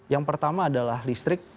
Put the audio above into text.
yang pertama adalah listrik